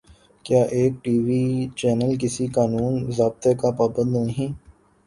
کیا ایک T V channel کسی قانون ضابطے کا پابند نہیں؟